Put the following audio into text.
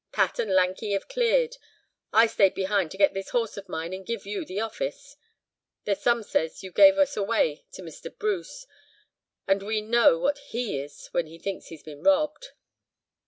Pat and Lanky have cleared. I stayed behind to get this horse of mine and give you the office. There's some says you gave us away to Mr. Bruce, and we know what he is when he thinks he's being robbed."